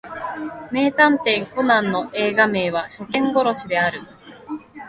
名探偵コナンの映画名は初見殺しである